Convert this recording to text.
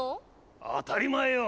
当たり前よ。